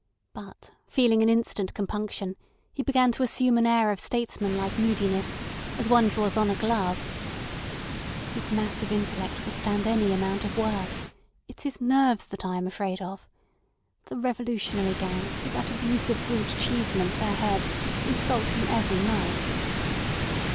But, feeling an instant compunction, he began to assume an air of statesman like moodiness, as one draws on a glove. "His massive intellect will stand any amount of work. It's his nerves that I am afraid of. The reactionary gang, with that abusive brute Cheeseman at their head, insult him every night."